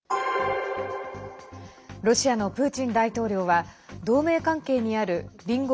ロシアのプーチン大統領は同盟関係にある隣国